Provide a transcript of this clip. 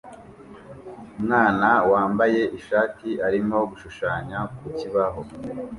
Umwana wambaye ishati arimo gushushanya ku kibaho